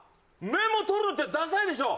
メモ取るのってダサいでしょ